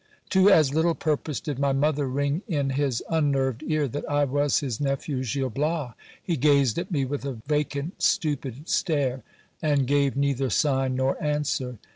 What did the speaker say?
To as little purpose did my mother ring in his unnerved ear, that I was his nephew Gil Bias ; he gazed at me with a vacant, stupid stare, an 1 gave neither sign nor answer.